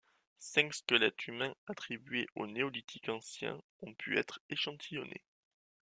Cinq squelettes humains attribués au Néolithique ancien ont pu être échantillonnés.